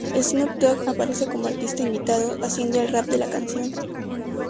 Snoop Dogg aparece como artista invitado, haciendo el rap de la canción.